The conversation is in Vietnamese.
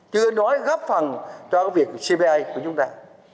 chưa nói góp phần cho việc cpi của chúng ta